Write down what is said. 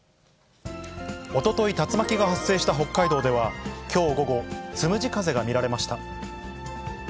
おととい、竜巻が発生した北海道では、きょう午後、つむじ風が見られました。